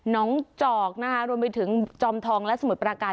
น้องจอกนะคะรวมไปถึงจอมทองและสมุทรปราการ